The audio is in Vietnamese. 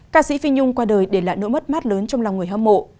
ca sĩ phi nhung qua đời để lại nỗi mất mát lớn trong lòng người hâm mộ